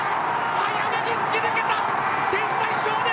早めに突き抜けた！